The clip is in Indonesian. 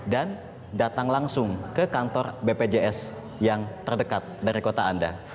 dan datang langsung ke kantor bpjs yang terdekat dari kota anda